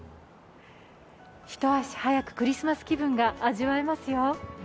一足早くクリスマス気分が味わえますよ。